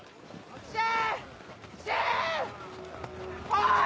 ・おい！